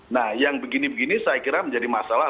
nah yang begini begini saya kira menjadi masalah